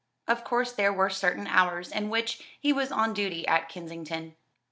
Of course there were certain hours in which he was on duty at Kensington.